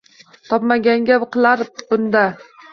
Topmaganga qilar bunda